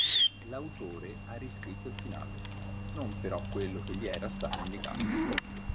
L'autore ha riscritto il finale, non però quello che gli era stato indicato.